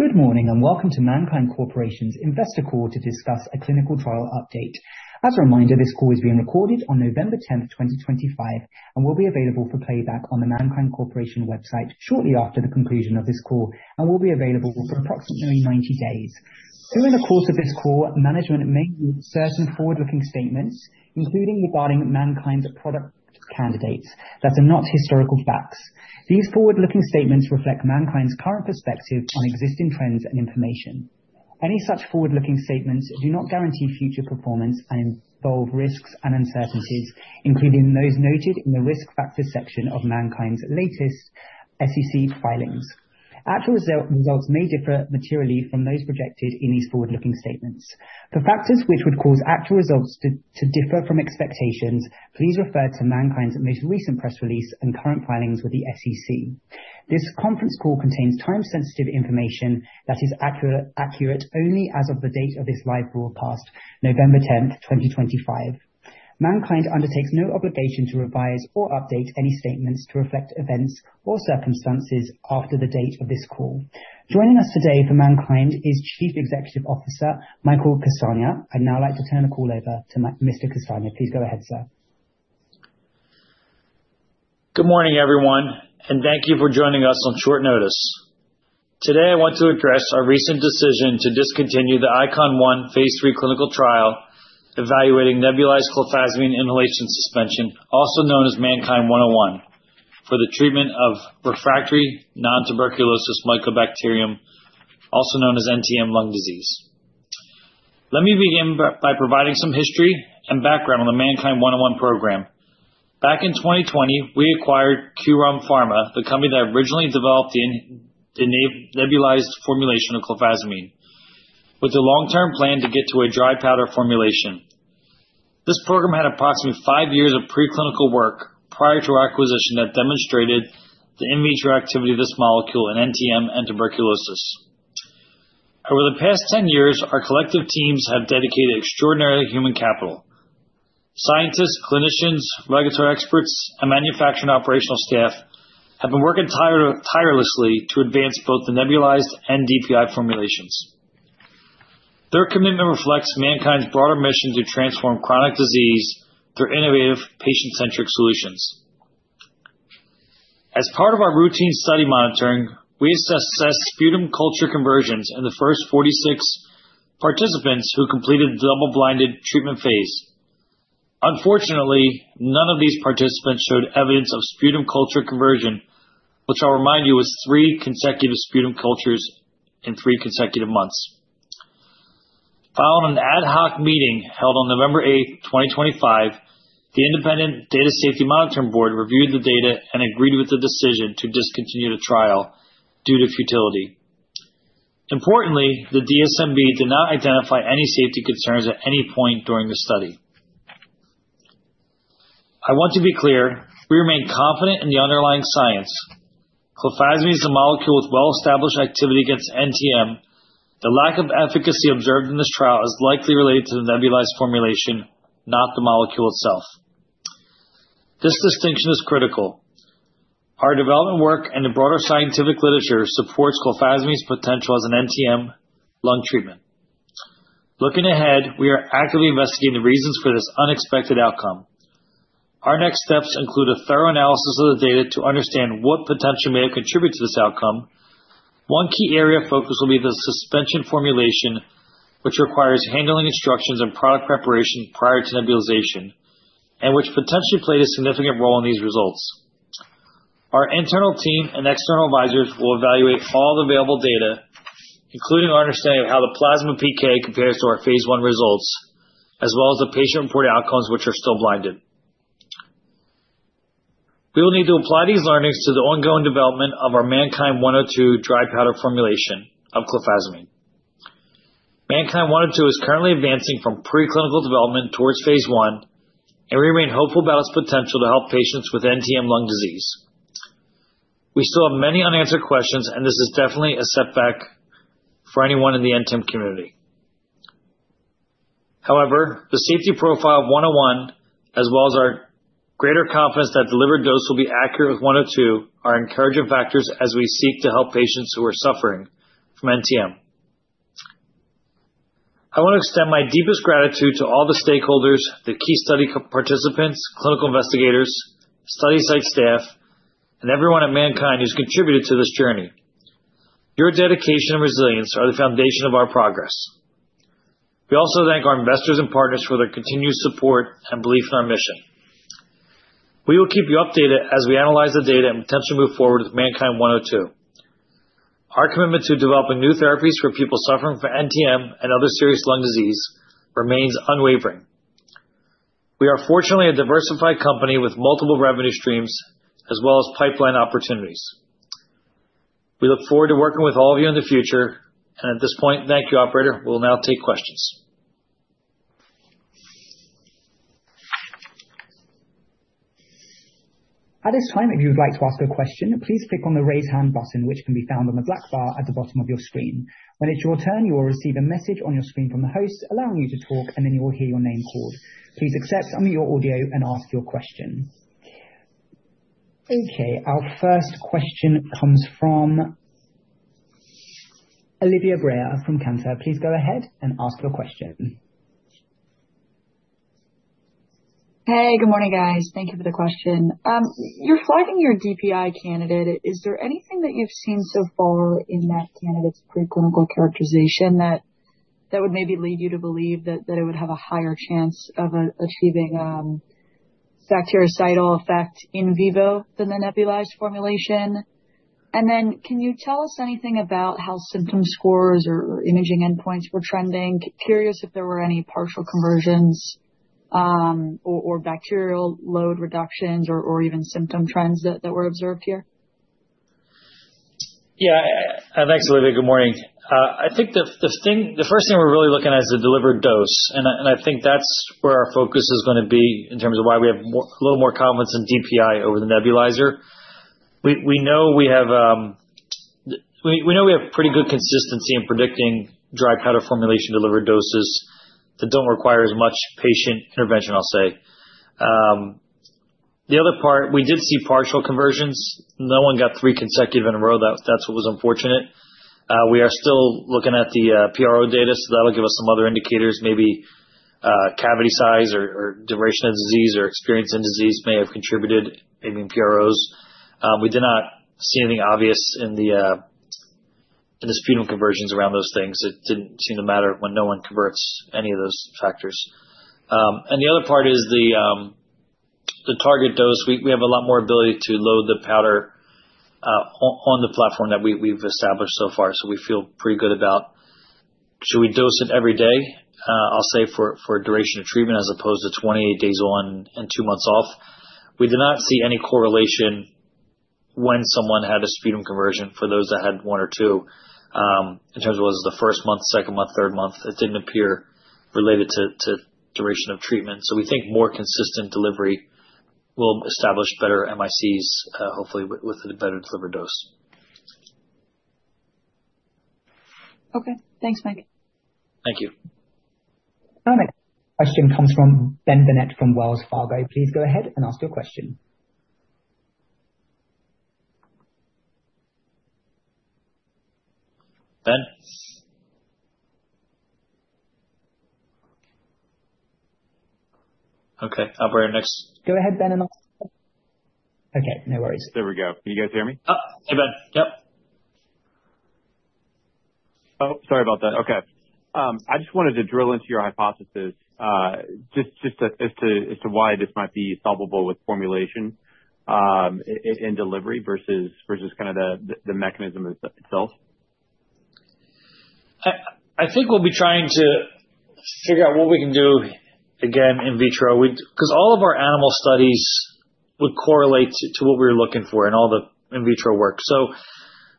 Good morning and welcome to MannKind Corporation's Investor Call to discuss a clinical trial update. As a reminder, this call is being recorded on November 10th, 2025, and will be available for playback on the MannKind Corporation website shortly after the conclusion of this call and will be available for approximately 90 days. During the course of this call, management may use certain forward-looking statements, including regarding MannKind's product candidates, that are not historical facts. These forward-looking statements reflect MannKind's current perspective on existing trends and information. Any such forward-looking statements do not guarantee future performance and involve risks and uncertainties, including those noted in the risk factors section of MannKind's latest SEC filings. Actual results may differ materially from those projected in these forward-looking statements. For factors which would cause actual results to differ from expectations, please refer to MannKind's most recent press release and current filings with the SEC. This conference call contains time-sensitive information that is accurate only as of the date of this live broadcast, November 10th, 2025. MannKind undertakes no obligation to revise or update any statements to reflect events or circumstances after the date of this call. Joining us today for MannKind is Chief Executive Officer Michael Castagna. I'd now like to turn the call over to Mr. Castagna. Please go ahead, sir. Good morning, everyone, and thank you for joining us on short notice. Today, I want to address our recent decision to discontinue the ICoN-1 phase III clinical trial evaluating nebulized Clofazimine Inhalation Suspension, also known as MNKD-101, for the treatment of refractory nontuberculous mycobacteria, also known as NTM lung disease. Let me begin by providing some history and background on the MNKD-101 program. Back in 2020, we acquired QrumPharma, the company that originally developed the nebulized formulation of clofazimine, with a long-term plan to get to a dry powder formulation. This program had approximately five years of preclinical work prior to our acquisition that demonstrated the in vitro activity of this molecule in NTM and tuberculosis. Over the past 10 years, our collective teams have dedicated extraordinary human capital. Scientists, clinicians, regulatory experts, and manufacturing operational staff have been working tirelessly to advance both the nebulized and DPI formulations. Their commitment reflects MannKind's broader mission to transform chronic disease through innovative, patient-centric solutions. As part of our routine study monitoring, we assessed sputum culture conversions in the first 46 participants who completed the double-blinded treatment phase. Unfortunately, none of these participants showed evidence of sputum culture conversion, which I'll remind you was three consecutive sputum cultures in three consecutive months. Following an ad hoc meeting held on November 8th, 2025, the Independent Data Safety Monitoring Board reviewed the data and agreed with the decision to discontinue the trial due to futility. Importantly, the DSMB did not identify any safety concerns at any point during the study. I want to be clear: we remain confident in the underlying science. Clofazimine is a molecule with well-established activity against NTM. The lack of efficacy observed in this trial is likely related to the nebulized formulation, not the molecule itself. This distinction is critical. Our development work and the broader scientific literature supports clofazimine's potential as an NTM lung treatment. Looking ahead, we are actively investigating the reasons for this unexpected outcome. Our next steps include a thorough analysis of the data to understand what potentially may have contributed to this outcome. One key area of focus will be the suspension formulation, which requires handling instructions and product preparation prior to nebulization, and which potentially played a significant role in these results. Our internal team and external advisors will evaluate all available data, including our understanding of how the plasma PK compares to our phase I results, as well as the patient-reported outcomes, which are still blinded. We will need to apply these learnings to the ongoing development of our MNKD-102 dry powder formulation of clofazimine. MNKD-102 is currently advancing from preclinical development towards phase I, and we remain hopeful about its potential to help patients with NTM lung disease. We still have many unanswered questions, and this is definitely a setback for anyone in the NTM community. However, the safety profile of 101, as well as our greater confidence that delivered dose will be accurate with 102, are encouraging factors as we seek to help patients who are suffering from NTM. I want to extend my deepest gratitude to all the stakeholders, the key study participants, clinical investigators, study site staff, and everyone at MannKind who's contributed to this journey. Your dedication and resilience are the foundation of our progress. We also thank our investors and partners for their continued support and belief in our mission. We will keep you updated as we analyze the data and potentially move forward with MNKD-102. Our commitment to developing new therapies for people suffering from NTM and other serious lung disease remains unwavering. We are fortunately a diversified company with multiple revenue streams as well as pipeline opportunities. We look forward to working with all of you in the future, and at this point, thank you, Operator. We'll now take questions. At this time, if you'd like to ask a question, please click on the raise hand button, which can be found on the black bar at the bottom of your screen. When it's your turn, you will receive a message on your screen from the host allowing you to talk, and then you will hear your name called. Please accept, unmute your audio, and ask your question. Okay, our first question comes from Olivia Brayer from Cantor. Please go ahead and ask your question. Hey, good morning, guys. Thank you for the question. You're flagging your DPI candidate. Is there anything that you've seen so far in that candidate's preclinical characterization that would maybe lead you to believe that it would have a higher chance of achieving bactericidal effect in vivo than the nebulized formulation? And then can you tell us anything about how symptom scores or imaging endpoints were trending? Curious if there were any partial conversions or bacterial load reductions or even symptom trends that were observed here. Yeah, actually. Good morning. I think the first thing we're really looking at is the delivered dose, and I think that's where our focus is going to be in terms of why we have a little more confidence in DPI over the nebulizer. We know we have pretty good consistency in predicting dry powder formulation delivered doses that don't require as much patient intervention, I'll say. The other part, we did see partial conversions. No one got three consecutive in a row. That's what was unfortunate. We are still looking at the PRO data, so that'll give us some other indicators. Maybe cavity size or duration of disease or experience in disease may have contributed, maybe in PROs. We did not see anything obvious in the sputum conversions around those things. It didn't seem to matter when no one converts any of those factors. And the other part is the target dose. We have a lot more ability to load the powder on the platform that we've established so far, so we feel pretty good about. Should we dose it every day? I'll say for duration of treatment as opposed to 28 days on and two months off. We did not see any correlation when someone had a sputum conversion for those that had one or two in terms of what was the first month, second month, third month. It didn't appear related to duration of treatment. So we think more consistent delivery will establish better MICs, hopefully with a better delivered dose. Okay, thanks, Mike. Thank you. Our next question comes from Ben Burnett from Wells Fargo. Please go ahead and ask your question. Ben? Okay, I'll bring it next. Go ahead, Ben, and ask. Okay, no worries. There we go. Can you guys hear me? Oh, hey, Ben. Yep. Oh, sorry about that. Okay. I just wanted to drill into your hypothesis just as to why this might be solvable with formulation in delivery versus kind of the mechanism itself? I think we'll be trying to figure out what we can do again in vitro because all of our animal studies would correlate to what we were looking for in all the in vitro work. So,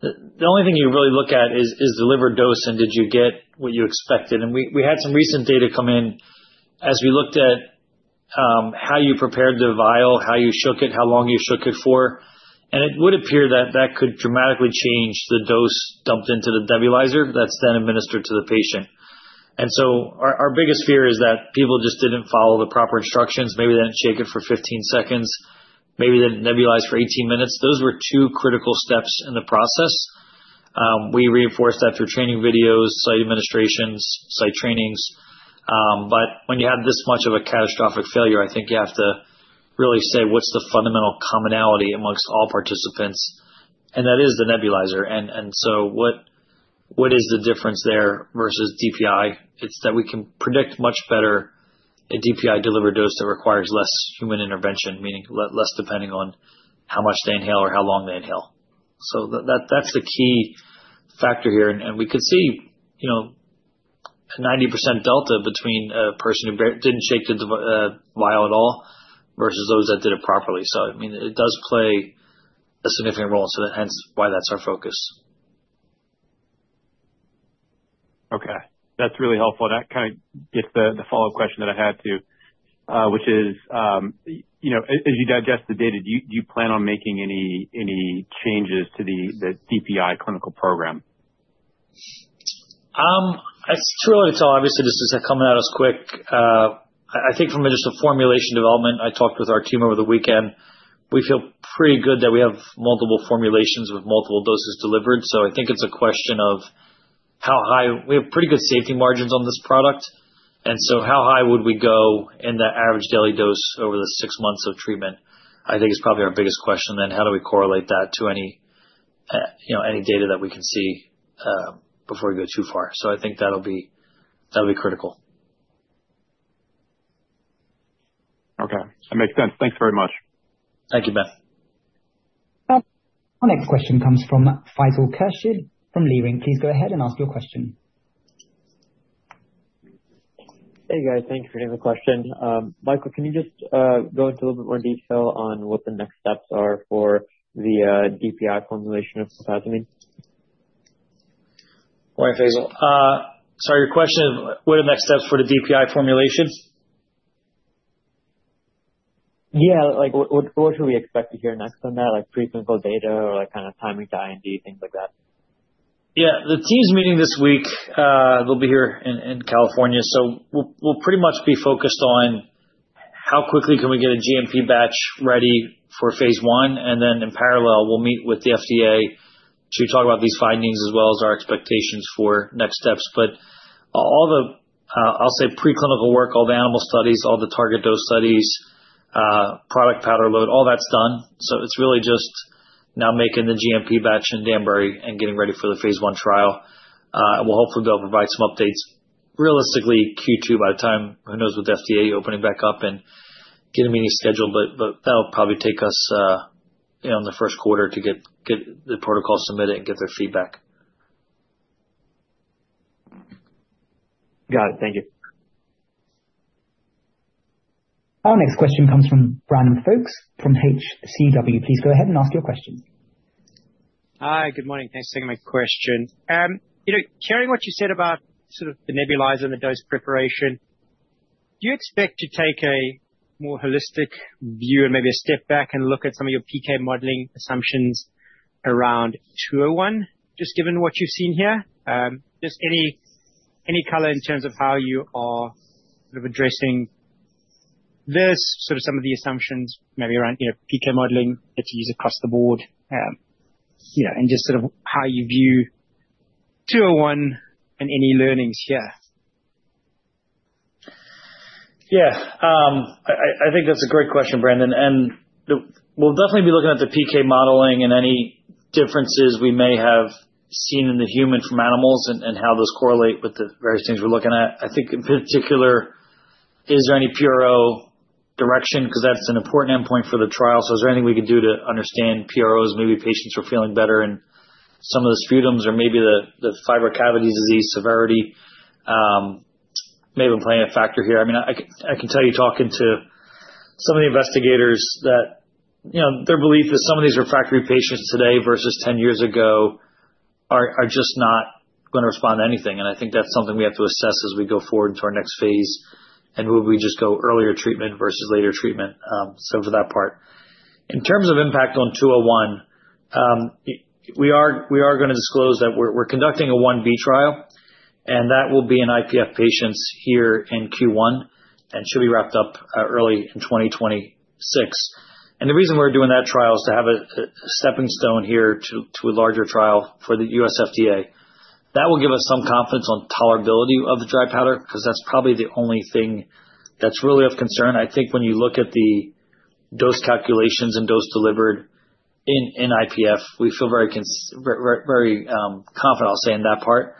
the only thing you really look at is delivered dose, and did you get what you expected and we had some recent data come in as we looked at how you prepared the vial, how you shook it, how long you shook it for, and it would appear that that could dramatically change the dose dumped into the nebulizer that's then administered to the patient, and so our biggest fear is that people just didn't follow the proper instructions. Maybe they didn't shake it for 15 seconds. Maybe they didn't nebulize for 18 minutes. Those were two critical steps in the process. We reinforced that through training videos, site administrations, site trainings. But when you have this much of a catastrophic failure, I think you have to really say, what's the fundamental commonality amongst all participants. And that is the nebulizer. And so what is the difference there versus DPI. It's that we can predict much better a DPI delivered dose that requires less human intervention, meaning less depending on how much they inhale or how long they inhale. So that's the key factor here. And we could see a 90% delta between a person who didn't shake the vial at all versus those that did it properly. So, I mean, it does play a significant role. So hence why that's our focus. Okay, that's really helpful. That kind of gets the follow-up question that I had too, which is, as you digest the data, do you plan on making any changes to the DPI clinical program? It's really tough. Obviously, this is coming out as quick. I think from just the formulation development, I talked with our team over the weekend. We feel pretty good that we have multiple formulations with multiple doses delivered. So I think it's a question of how high. We have pretty good safety margins on this product. And so how high would we go in the average daily dose over the six months of treatment? I think is probably our biggest question then. How do we correlate that to any data that we can see before we go too far? So I think that'll be critical. Okay, that makes sense. Thanks very much. Thank you, Ben. Our next question comes from Faisal Khurshid from Leerink. Please go ahead and ask your question. Hey, guys. Thank you for taking the question. Michael, can you just go into a little bit more detail on what the next steps are for the DPI formulation of Clofazimine? Morning, Faisal. Sorry, your question is, what are the next steps for the DPI formulation? Yeah, what should we expect to hear next on that? Preclinical data or kind of timing to IND, things like that? Yeah, the team's meeting this week. They'll be here in California, so we'll pretty much be focused on how quickly can we get a GMP batch ready for phase I, and then in parallel, we'll meet with the FDA to talk about these findings as well as our expectations for next steps, but all the, I'll say, preclinical work, all the animal studies, all the target dose studies, product powder load, all that's done, so it's really just now making the GMP batch in Danbury and getting ready for the phase I trial, and we'll hopefully be able to provide some updates realistically Q2 by the time, who knows, with the FDA opening back up and getting meetings scheduled, but that'll probably take us in the first quarter to get the protocol submitted and get their feedback. Got it. Thank you. Our next question comes from Brandon Folkes from HCW. Please go ahead and ask your questions. Hi, good morning. Thanks for taking my question. Hearing what you said about sort of the nebulizer and the dose preparation, do you expect to take a more holistic view and maybe a step back and look at some of your PK modeling assumptions around 201, just given what you've seen here? Just any color in terms of how you are sort of addressing this, sort of some of the assumptions maybe around PK modeling that you use across the board and just sort of how you view 201 and any learnings here? Yeah, I think that's a great question, Brandon. And we'll definitely be looking at the PK modeling and any differences we may have seen in the human from animals and how those correlate with the various things we're looking at. I think in particular, is there any PRO direction? Because that's an important endpoint for the trial. So is there anything we can do to understand PROs? Maybe patients are feeling better in some of the sputums or maybe the fibrocavitary disease severity may have been playing a factor here. I mean, I can tell you talking to some of the investigators that their belief is some of these refractory patients today versus 10 years ago are just not going to respond to anything. And I think that's something we have to assess as we go forward into our next phase. And will we just go earlier treatment versus later treatment? So for that part, in terms of impact on 201, we are going to disclose that we're conducting a 1B trial, and that will be in IPF patients here in Q1 and should be wrapped up early in 2026. And the reason we're doing that trial is to have a stepping stone here to a larger trial for the U.S. FDA. That will give us some confidence on tolerability of the dry powder because that's probably the only thing that's really of concern. I think when you look at the dose calculations and dose delivered in IPF, we feel very confident, I'll say, in that part.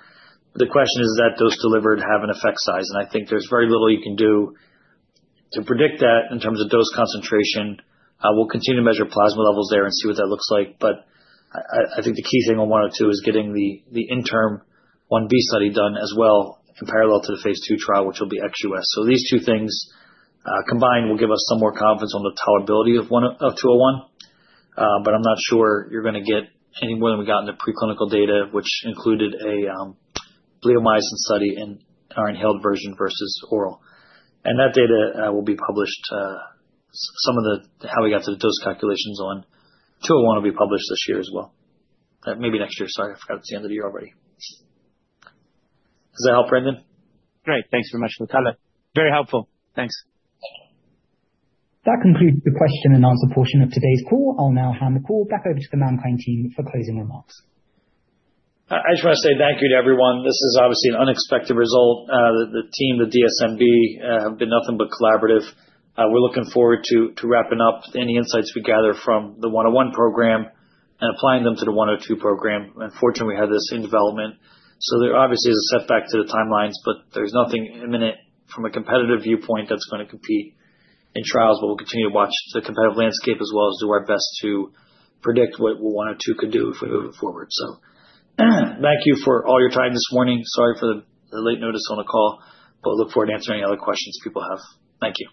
The question is, does that dose delivered have an effect size? And I think there's very little you can do to predict that in terms of dose concentration. We'll continue to measure plasma levels there and see what that looks like. But I think the key thing on 102 is getting the interim 1B study done as well in parallel to the phase II trial, which will be XUS. So these two things combined will give us some more confidence on the tolerability of 201. But I'm not sure you're going to get any more than we got in the preclinical data, which included a bleomycin study in our inhaled version versus oral. And that data will be published. Some of how we got to the dose calculations on 201 will be published this year as well. Maybe next year. Sorry, I forgot it's the end of the year already. Does that help, Brandon? Great. Thanks very much for the color. Very helpful. Thanks. That concludes the question and answer portion of today's call. I'll now hand the call back over to the MannKind team for closing remarks. I just want to say thank you to everyone. This is obviously an unexpected result. The team, the DSMB, have been nothing but collaborative. We're looking forward to wrapping up any insights we gather from the 101 program and applying them to the 102 program. Unfortunately, we have this in development. So there obviously is a setback to the timelines, but there's nothing imminent from a competitive viewpoint that's going to compete in trials. But we'll continue to watch the competitive landscape as well as do our best to predict what 102 could do if we move it forward. So thank you for all your time this morning. Sorry for the late notice on a call, but look forward to answering any other questions people have. Thank you.